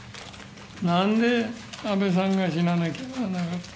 なんで安倍さんが死ななきゃならなかった。